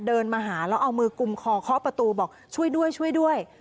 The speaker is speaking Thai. เดินมาหาแล้วเอามือกุมคอเคาะประตูบอกช่วยด้วยช่วยด้วย